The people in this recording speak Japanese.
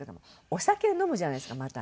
お酒飲むじゃないですかまた。